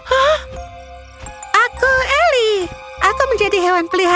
hah aku ellie aku menjadi hewan pelihara